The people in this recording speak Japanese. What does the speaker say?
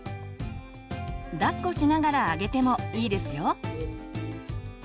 抱っこしながらあげてもいいですよ。